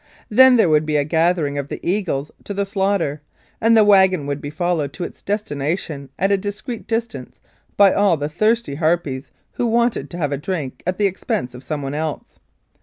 Then there would be a gathering of the eagles to the slaughter, and the wagon would be followed to its destination, at a discreet distance, by all the thirsty harpies who wanted to have a drink at the expense of someone else.